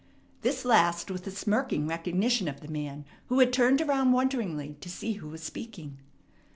This last with a smirking recognition of the man, who had turned around wonderingly to see who was speaking.